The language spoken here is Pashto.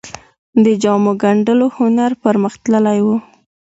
د جامو ګنډلو هنر پرمختللی و